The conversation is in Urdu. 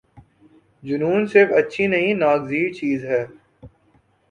جنون صرف اچھی نہیں ناگزیر چیز ہے۔